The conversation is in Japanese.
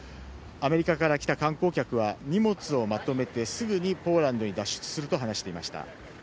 アメリカから来た観光客は荷物をまとめてすぐにポーランドに脱出すると話していました。